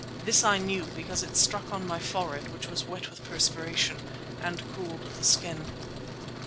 This I knew, because it struck on my forehead, which was wet with perspiration, and cooled the skin.